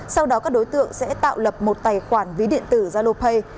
sau đó các đối tượng sẽ tạo lập một tài khoản ví điện tử zalopay